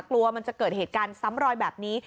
กลัวมันจะเกิดเหตุการณ์ซ้ำรอยแบบนี้